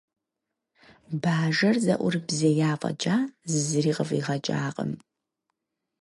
Бажэр зэӀурыбзея фӀэкӀа, зыри къыфӀигъэкӀакъым.